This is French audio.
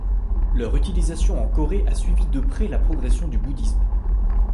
Leur utilisation en Corée a suivi de près la progression du bouddhisme.